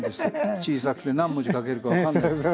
小さくて何文字書けるか分かんない。